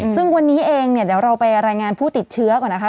ซึ่งวันนี้เองเราไปรายงานผู้ติดเชื้อก่อนนะคะ